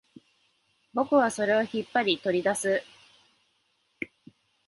僕はそれを引っ張り、取り出す